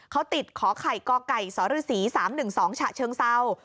เขาติดขอไข่กไก่สรศรี๓๑๒ฉะเชิงเศร้า